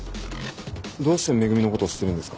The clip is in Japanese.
どうして「め組」のことを知ってるんですか？